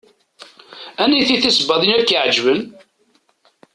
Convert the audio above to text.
Aniti tisebbaḍin i ak-iɛeǧben?